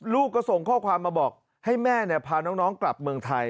ลูกก็ส่งข้อความมาบอกให้แม่พาน้องกลับเมืองไทย